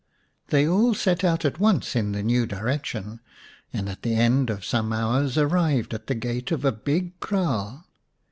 They all set out at once in the new direction, and at the end of some hours arrived at the gate of a big kraal.